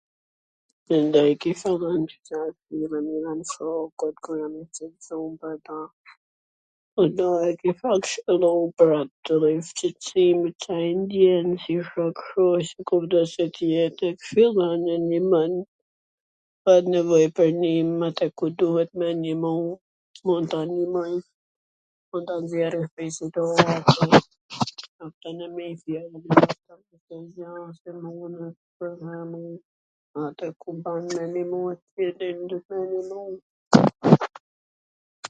E do i kisha dhwn njw kshill shokut kur jam i shqetsum pwr atw, do e kisha kwshhillu pwr atw... Ca e ndjen, ... kudo qw t jet..., fillon e ndimon, po pat nevoj pwr ndim atje ku duet me e nimu, mund ta ndimojm, mund ta nxjerrish prej situatws, ... aty ku ban me e nimu tjetrin, duhet me e nimu...